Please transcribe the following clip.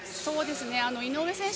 井上選手